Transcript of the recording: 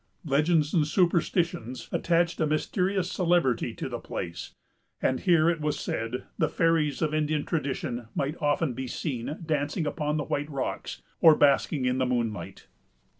Legends and superstitions attached a mysterious celebrity to the place, and here, it was said, the fairies of Indian tradition might often be seen dancing upon the white rocks, or basking in the moonlight.